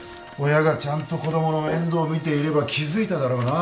親がちゃんと子供の面倒を見ていれば気付いただろうな。